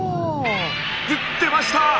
で出ました！